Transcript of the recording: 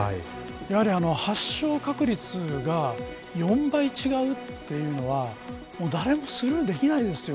やはり、発症確率が４倍違うというのは誰もスルーできないですよ